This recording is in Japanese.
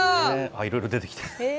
いろいろ出てきた。